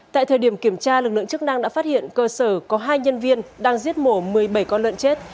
tại thời điểm kiểm tra lực lượng chức năng đã phát hiện cơ sở có hai nhân viên đang giết mổ một mươi bảy con lợn chết